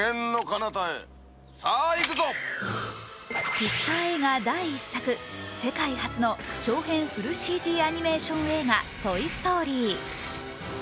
ピクサー映画第１作、世界初の長編フルＣＧアニメーション映画「トイ・ストーリー」。